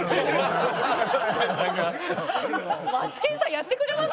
マツケンさんやってくれます？